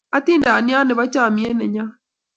atindeyot nebo chamiet neyo